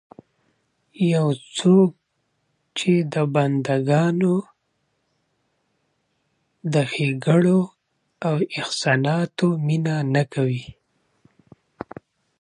يو څوک چې د بنده ګانو د ښېګړو او احساناتو مننه نه کوي